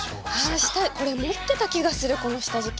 これ持ってた気がするこの下敷き。